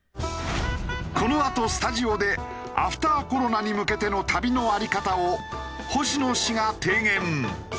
このあとスタジオでアフターコロナに向けての旅のあり方を星野氏が提言。